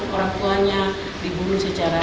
orang tuanya dibunuh secara